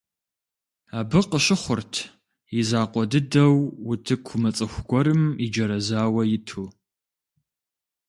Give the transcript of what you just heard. Абы къыщыхъурт и закъуэ дыдэу утыку мыцӀыху гуэрым иджэрэзауэ иту.